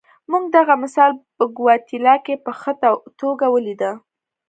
موږ دغه مثال په ګواتیلا کې په ښه توګه ولیده.